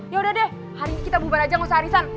yaudah deh hari ini kita bubar aja gak usah harisan